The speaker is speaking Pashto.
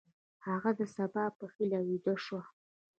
هغه د سبا په هیله ویده شو.